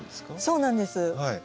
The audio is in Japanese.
そうなんです。